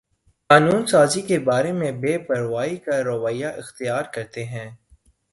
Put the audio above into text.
قانون سازی کے بارے میں بے پروائی کا رویہ اختیار کرتے ہیں